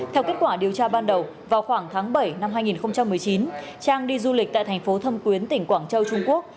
theo kết quả điều tra ban đầu vào khoảng tháng bảy năm hai nghìn một mươi chín trang đi du lịch tại thành phố thâm quyến tỉnh quảng châu trung quốc